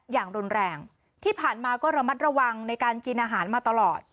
อย่างรุนแรงที่ผ่านมาก็ระมัดระวังในการกินอาหารมาตลอด